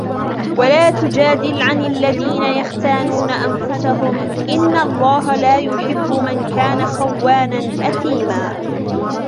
ولا تجادل عن الذين يختانون أنفسهم إن الله لا يحب من كان خوانا أثيما